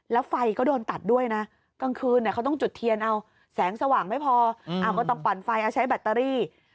แล้วไฟก็โดนตัดด้วยนะกลางคืนเขาต้องจุดเทียนเอาแสงสว่างไม่พอก็ต้องปั่นไฟเอาใช้แบตเตอรี่